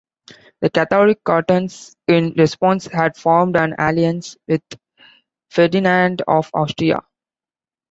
The Catholic cantons in response had formed an alliance with Ferdinand of Austria.